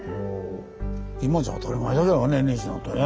今じゃ当たり前だけどねネジなんてね。